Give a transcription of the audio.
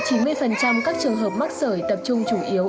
các trường hợp mắc sởi tập trung chủ yếu